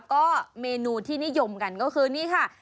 ก็เมนูที่นิยมกันก็คือนี่ค่ะ